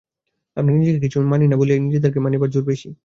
আমরা কিছুকে মানি না বলিয়াই আমাদের নিজেকে মানিবার জোর বেশি।